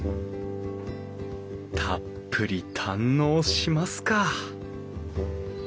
たっぷり堪能しますか！